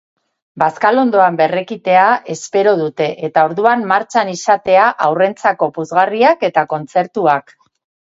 Bazkalondoan berrekitea espero dute eta orduan martxan izatea haurrentzako puzgarriak eta kontzertuak.